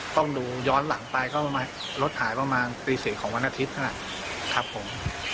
ต้องดูย้อนหลังไปก็ประมาณรถหายประมาณตี๔ของวันอาทิตย์นะครับผม